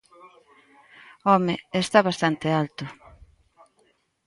Home, está bastante alto.